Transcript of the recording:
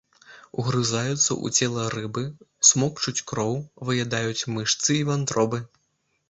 Угрызаюцца ў цела рыбы, смокчуць кроў, выядаюць мышцы і вантробы.